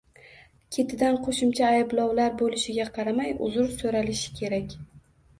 Ketidan qo‘shimcha ayblovlar bo‘lishiga qaramay, uzr so‘ralishi kerak.